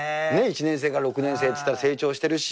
１年生から６年生っていったら成長してるし。